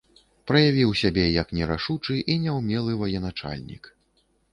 Праявіў сябе як нерашучы і няўмелы военачальнік.